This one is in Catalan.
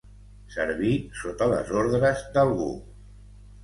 Servir sota les ordres d'algú.